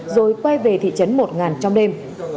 rồi quay về thị trấn một nghìn trong đêm